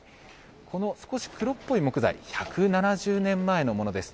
この少し黒っぽい木材、１７０年前のものです。